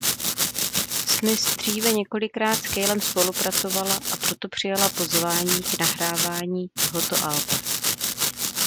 Smith dříve několikrát s Calem spolupracovala a proto přijala pozvání k nahrávání tohoto alba.